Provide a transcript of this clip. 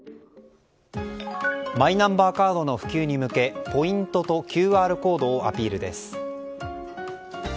マイナンバーカードの普及に向けポイントとＱＲコードをアピールです。